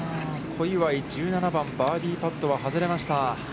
小祝、１７番、バーディーパットは外れました。